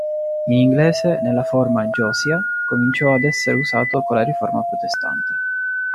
In inglese, nella forma "Josiah", cominciò ad essere usato con la Riforma Protestante.